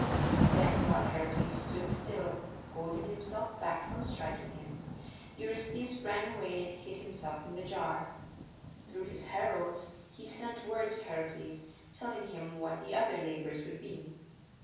Then while Heracles stood still, holding himself back from striking him, Eurystheus ran away and hid himself in the jar. Through his heralds he sent word to Heracles, telling him what the other labors would be.